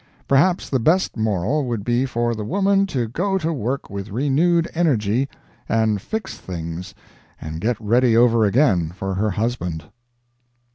Perhaps the best moral would be for the woman to go to work with renewed energy, and fix things, and get ready over again for her husband.